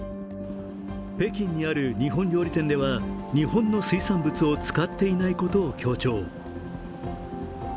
北京にある日本料理店では日本の水産物を使っていないことを強調。